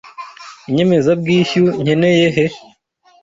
Inyemezabwishyu nkeneye he?